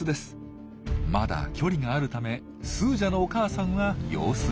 まだ距離があるためスージャのお母さんは様子見。